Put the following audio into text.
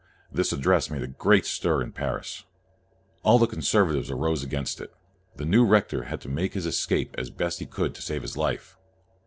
The address made a great stir in Paris. 102 CALVIN All the conservatives arose against it. The new rector had to make his escape as best he could to save his life.